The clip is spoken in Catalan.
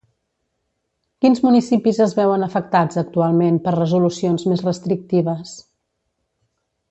Quins municipis es veuen afectats actualment per resolucions més restrictives?